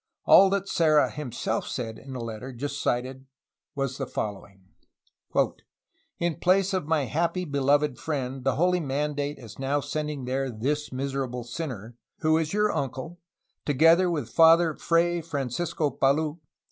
All that Serra himself said in the letter just cited was the following: "In place of my happy, beloved friend, the holy mandate is now sending there this miserable sinner, who is your uncle, to gether with Father Fray Francisco Palou.